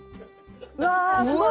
うわーすごい！